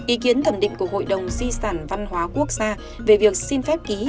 ý kiến thẩm định của hội đồng di sản văn hóa quốc gia về việc xin phép ký